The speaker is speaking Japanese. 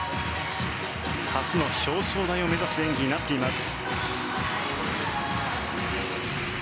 初の表彰台を目指す演技になっています。